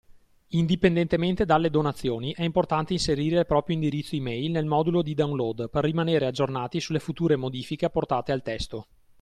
Indipendentemente dalle donazioni, è importante inserire il proprio indirizzo email nel modulo di download per rimanere aggiornati sulle future modifiche apportate al testo.